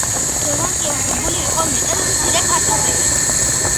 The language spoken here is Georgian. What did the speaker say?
ზოგან კი აღებული იყო მეტად მცირე ფართობები.